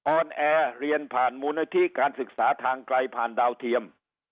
อนแอร์เรียนผ่านมูลนิธิการศึกษาทางไกลผ่านดาวเทียม